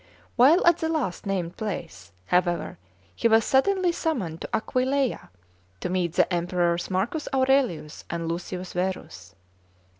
While at the last named place, however, he was suddenly summoned to Aquileia to meet the Emperors Marcus Aurelius and Lucius Verus.